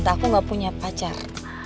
aku gak punya pacar